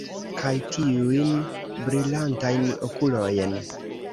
Kaj tiujn brilantajn okulojn!